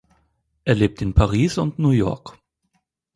Er lebt in Paris und New York.